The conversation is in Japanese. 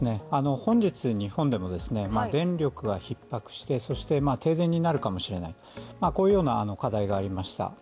本日、日本でも電力がひっ迫してそして停電になるかもしれない、こういうような課題がありました。